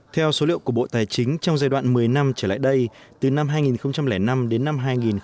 theo số liệu của bộ tài chính trong giai đoạn một mươi năm trở lại đây từ năm hai nghìn năm đến năm hai nghìn một mươi